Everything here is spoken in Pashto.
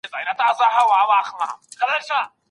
تاسو به هيڅکله پښيمان نه سئ.